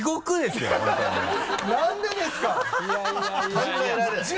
考えられないね。